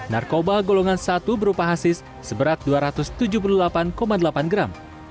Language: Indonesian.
narkoba golongan satu berupa hasis seberat dua ratus tujuh puluh delapan delapan gram